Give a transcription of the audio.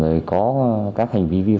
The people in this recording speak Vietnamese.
rồi có các hành vi vi vật